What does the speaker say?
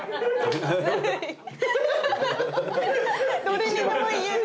どれにでも言える。